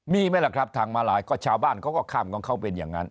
มีไหมล่ะครับทางมาลายก็ชาวบ้านเขาก็ข้ามของเขาเป็นอย่างนั้น